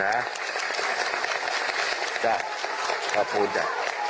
นะขอบคุณจ๊ะ